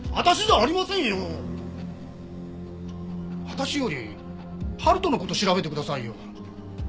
私より晴翔の事調べてくださいよ。